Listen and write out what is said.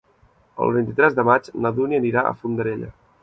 El vint-i-tres de maig na Dúnia anirà a Fondarella.